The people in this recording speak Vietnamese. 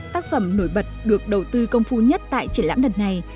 tác phẩm nổi bật được đầu tư công phu nhất tại triển lãm lần này